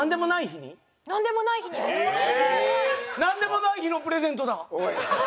なんでもない日のプレゼントだ。